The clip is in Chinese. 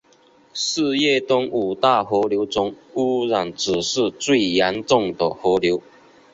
是粤东五大河流中污染指数最严重的河流。